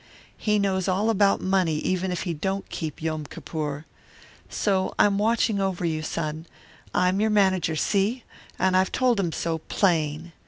He knows all about money even if he don't keep Yom Kippur. So I'm watching over you, son I'm your manager, see? And I've told him so, plain.